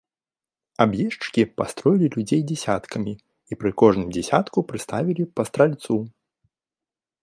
Аб'ездчыкі пастроілі людзей дзясяткамі і пры кожным дзясятку прыставілі па стральцу.